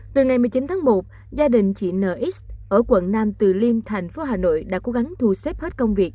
từ ngày một mươi chín tháng một gia đình chị nx ở quận nam từ liêm thành phố hà nội đã cố gắng thu xếp hết công việc